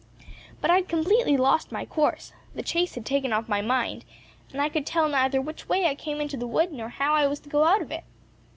But I had completely lost my course; the chase had taken off my mind, and I could tell neither which way I came into the wood, nor how I was to go out of it.